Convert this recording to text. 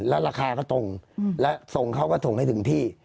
แล้วราคาก็ตรงและส่งเขาก็ส่งให้ถึงที่